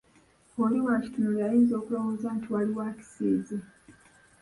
Oli bwakitunuulira ayinza okulowooza nti, waliwo akisiize.